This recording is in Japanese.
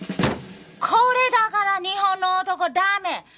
これだから日本の男ダメ！